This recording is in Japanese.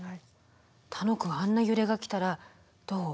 楽くんあんな揺れが来たらどう？